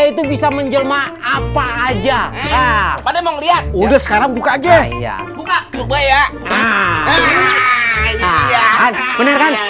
itu bisa menjelma apa aja pada mau lihat udah sekarang buka aja ya buka kebayaan